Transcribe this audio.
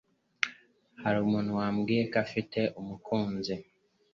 Hari umuntu wambwiye ko ufite umukunzi.